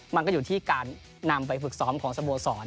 มันก็อยู่ที่การนำไปฝึกซ้อมของสโมสร